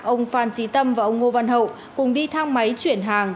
ông phan trí tâm và ông ngô văn hậu cùng đi thang máy chuyển hàng